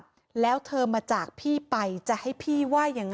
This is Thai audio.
มีเรื่องอะไรมาคุยกันรับได้ทุกอย่าง